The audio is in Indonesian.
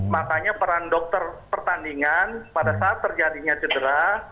makanya peran dokter pertandingan pada saat terjadinya cedera